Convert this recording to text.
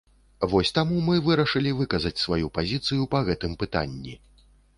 Вось таму мы вырашылі выказаць сваю пазіцыю па гэтым пытанні.